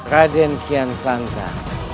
radit kian santang